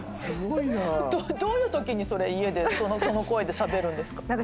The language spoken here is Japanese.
すごい！どういうときに家でその声でしゃべるんですか？